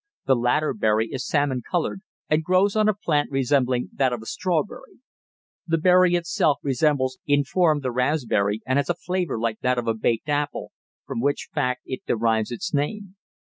The latter berry is salmon coloured, and grows on a plant resembling that of the strawberry. The berry itself resembles in form the raspberry, and has a flavour like that of a baked apple, from which fact it derives its name.